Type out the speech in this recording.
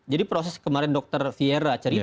jadi proses kemarin dr fiera cerita